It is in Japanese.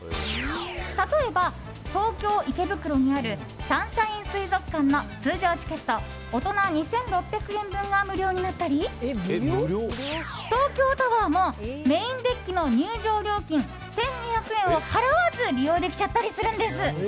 例えば、東京・池袋にあるサンシャイン水族館の通常チケット大人２６００円分が無料になったり東京タワーもメインデッキの入場料金１２００円を払わず利用できちゃったりするんです。